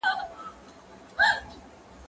زه اجازه لرم چي مرسته وکړم؟